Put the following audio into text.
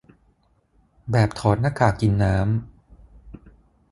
แบบถอดหน้ากากกินน้ำ